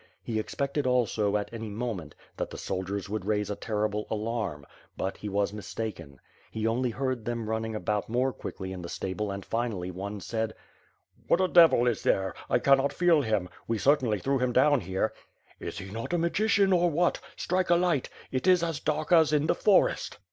He expected also, at any moment, that the soldiers would raise a terrible alarm; but he was mistaken. He only heard them running about more quickly in the stable and finally, one said: "What a devil is there! I cannot feel him. We certainly threw him down here." "Is he not a magician or what? Strike a light. It is as dark as in the forest."